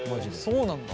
そうなんだ。